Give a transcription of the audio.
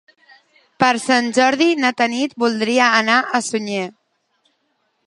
Per Sant Jordi na Tanit voldria anar a Sunyer.